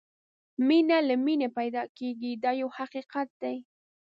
مینه له مینې پیدا کېږي دا یو حقیقت دی.